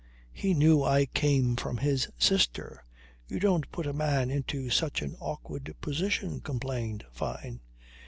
"He knew I came from his sister. You don't put a man into such an awkward position," complained Fyne.